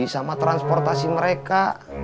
sama transportasi mereka